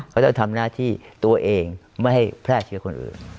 เขาจะทำหน้าที่ตัวเองไม่ให้แพร่เชื้อคนอื่น